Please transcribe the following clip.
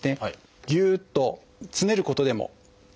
ぎゅっとつねることでも。